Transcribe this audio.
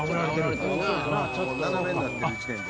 斜めになってる時点で。